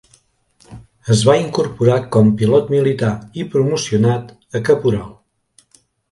Es va incorporar com pilot militar i promocionat a caporal.